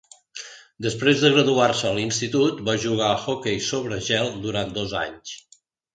Després de graduar-se a l'institut, va jugar a hoquei sobre gel durant dos anys.